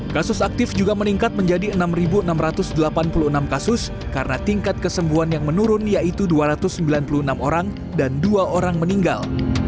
kasus aktif juga meningkat menjadi enam enam ratus delapan puluh enam kasus karena tingkat kesembuhan yang menurun yaitu dua ratus sembilan puluh enam orang dan dua orang meninggal